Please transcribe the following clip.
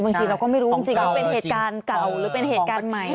บางทีเราก็ไม่รู้จริงว่าเป็นเหตุการณ์เก่าหรือเป็นเหตุการณ์ใหม่